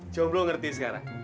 jom lo ngerti sekarang